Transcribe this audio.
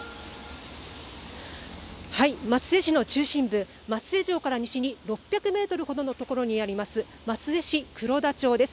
松江市の中心部、松江城から西に６００メートルほどの所にあります、松江市くろだ町です。